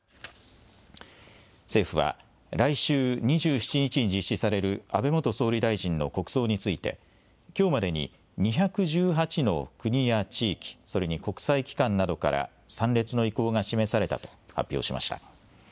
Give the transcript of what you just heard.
政府は来週２７日に実施される安倍元総理大臣の国葬についてきょうまでに２１８の国や地域、それに国際機関などから参列の意向が示されたと発表しました。